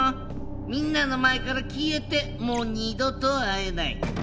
みんなの前から消えてもう二度と会えない。